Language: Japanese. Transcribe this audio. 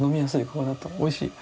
おいしい。